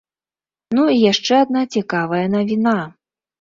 Ну і яшчэ адна цікавая навіна.